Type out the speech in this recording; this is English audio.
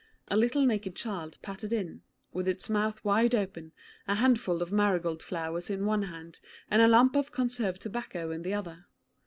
A little naked child pattered in, with its mouth wide open, a handful of marigold flowers in one hand, and a lump of conserved tobacco in the other.